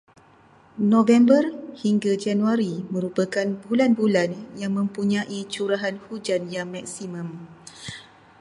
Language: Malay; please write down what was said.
November hingga Januari merupakan bulan-bulan yang mempunyai curahan hujan yang maksimum.